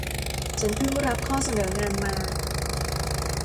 ฉันพึ่งรับข้อเสนองานมา